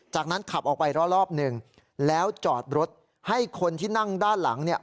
จากนั้นขับออกไปรอบหนึ่งแล้วจอดรถให้คนที่นั่งด้านหลังเนี่ย